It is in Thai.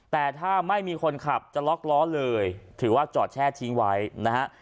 แต่ถ้าไม่มีคนขับจะล็อกล้อเลยถือว่าจอดแช่ทิ้งไว้นะฮะ